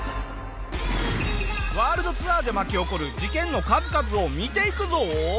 ワールドツアーで巻き起こる事件の数々を見ていくぞ！